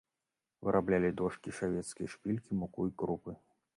Выраблялі дошкі, шавецкія шпількі, муку і крупы.